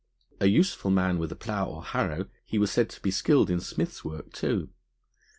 A useful man with plough or harrow, he was said to be skilled in smith's work too.